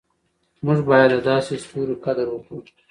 موږ باید د داسې ستورو قدر وکړو.